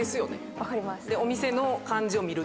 分かります。